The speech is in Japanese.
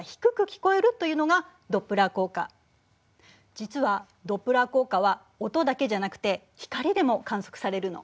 実はドップラー効果は音だけじゃなくて光でも観測されるの。